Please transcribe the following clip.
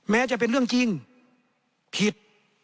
จะเป็นเรื่องจริงผิด